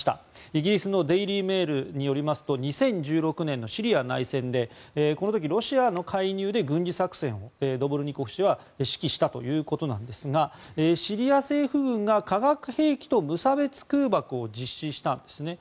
イギリスのデイリー・メールによりますと２０１６年のシリア内戦でこの時ロシアの介入で軍事作戦をドボルニコフ氏は指揮したということなんですがシリア政府軍が化学兵器と無差別空爆を実施したんですね。